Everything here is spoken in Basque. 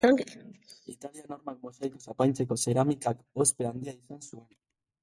Italian hormak mosaikoz apaintzeko zeramikak ospe handia izan zuen